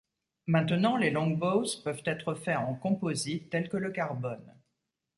Maintenant les Longbows peuvent être faits en composite tel que le carbone.